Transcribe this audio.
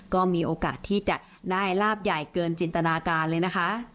ก็มีโอกาสที่จะได้ลาบใหญ่เกินจินตนาการเลยนะคะ